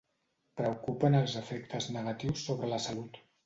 Preocupen els efectes negatius sobre la salut.